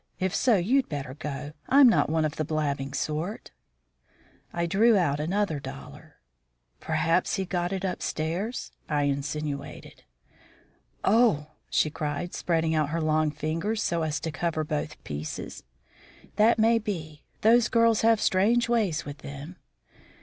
If so, you'd better go. I'm not one of the blabbing sort." I drew out another dollar. "Perhaps he got it upstairs," I insinuated. "Oh!" she cried, spreading out her long fingers so as to cover both pieces. "That may be; those girls have strange ways with them."